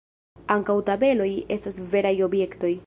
Ankaŭ tabeloj estas veraj objektoj.